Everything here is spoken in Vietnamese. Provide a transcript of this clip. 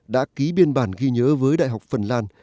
đã ký biên bản ghi nhớ với đại học phần lan